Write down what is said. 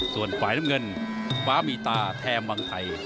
ส่วนขวายน้ำเงินฟ้ามีตาแถมบางใส